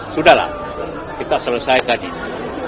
sudahlah kita selesaikan itu